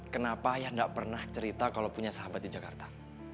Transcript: kenapa ayah tidak pernah cerita kalau punya sahabat di jakarta